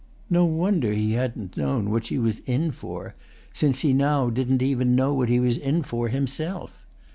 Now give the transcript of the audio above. No wonder he hadn't known what she was in for, since he now didn't even know what he was in for himself.